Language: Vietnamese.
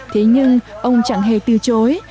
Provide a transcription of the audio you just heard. thế nhưng ông chẳng hề từ chối